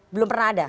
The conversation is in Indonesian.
belum pernah ada